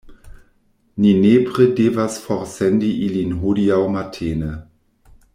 Ni nepre devas forsendi ilin hodiaŭ matene.